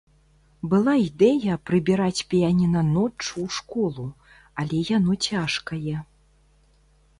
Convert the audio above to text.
Была ідэя прыбіраць піяніна ноччу ў школу, але яно цяжкае.